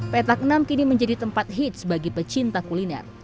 petak enam kini menjadi tempat hits bagi pecinta kuliner